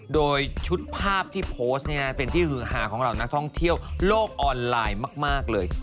โดยชุดภาพที่โพสต์เป็นที่ฮือหาของเหล่านักท่องเที่ยวโลกออนไลน์มากเลย